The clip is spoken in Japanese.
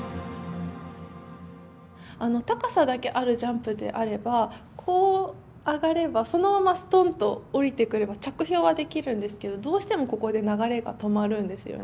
高さだけあるジャンプであればこう上がればそのままストンと下りてくれば着氷はできるんですけどどうしてもここで流れが止まるんですよね。